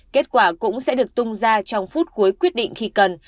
kết quả cũng sẽ được tung ra trong phút cuối quyết định khi cần